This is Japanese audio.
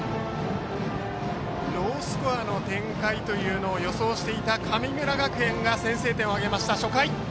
ロースコアの展開を予想していた神村学園が初回、先制点を挙げました。